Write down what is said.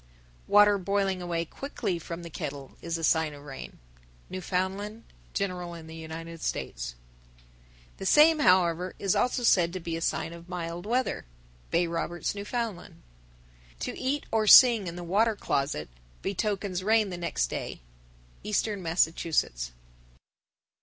_ 1042. Water boiling away quickly from the kettle is a sign of rain. Newfoundland; general in the United States. 1043. The same, however, is also said to be a sign of mild weather. Bay Roberts, N.F. 1044. To eat or sing in the water closet betokens rain the next day. _Eastern Massachusetts.